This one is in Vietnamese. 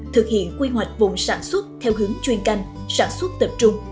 thực hiện quy hoạch vùng sản xuất theo hướng chuyên canh sản xuất tập trung